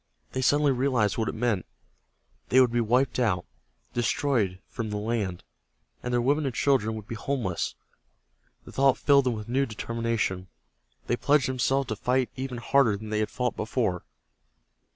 They suddenly realized what it meant. They would be wiped out, destroyed from the land, and their women and children would be homeless. The thought filled them with new determination. They pledged themselves to fight even harder than they had fought before.